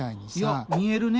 いや見えるね。